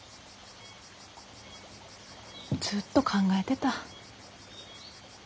ずっと考えてた。